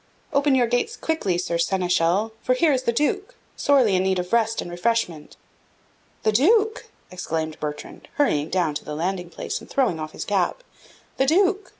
Open your gates quickly, Sir Seneschal; for here is the Duke, sorely in need of rest and refreshment." "The Duke!" exclaimed Bertrand, hurrying down to the landing place, and throwing off his cap. "The Duke!